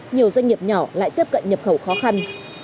nhiều doanh nghiệp nhỏ lại tiếp cận nhập khẩu khó khăn